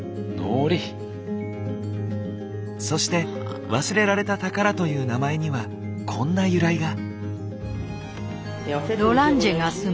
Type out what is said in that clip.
そして「忘れられた宝」という名前にはこんな由来が。